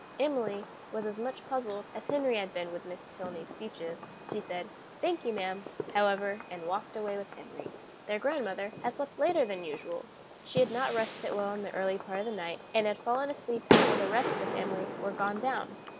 Emily was as much puzzled as Henry had been with Miss Tilney's speeches. She said, "Thank you, ma'am," however, and walked away with Henry. Their grandmother had slept later than usual; she had not rested well in the early part of the night, and had fallen asleep after the rest of the family were gone down.